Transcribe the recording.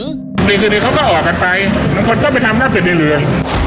พรีคทีนี้ก็ออกออกกันไปอย่างเหมือนคนเค้าไปทำลอบเป็นเรือย